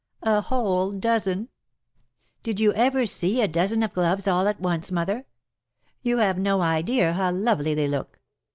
A whole dozen ! Did you ever see a dozen of gloves all at once, mother ? You have no idea how lovely they look.